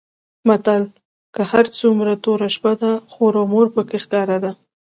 متل؛ که هر څو توره شپه ده؛ خور او مور په کې ښکاره ده.